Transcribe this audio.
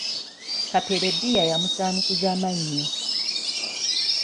Kapere bbiya yamusaanukuza mmannyo .